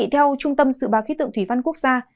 thưa quý vị theo trung tâm sự pakistan